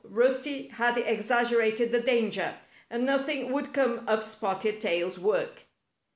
Rusty had exaggerated the danger, and nothing would come of Spotted Tail's work.